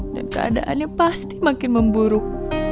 dan keadaannya pasti makin memburuk